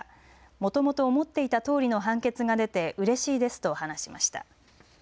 もともと思っていたとおりの判決が出てうれしいですと話しました。